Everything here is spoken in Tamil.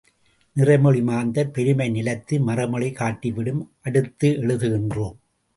நிறைமொழி மாந்தர் பெருமை நிலத்து மறைமொழி காட்டி விடும் அடுத்து எழுதுகின்றோம்!